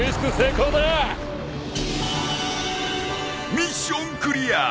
ミッションクリア！